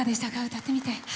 歌ってみて。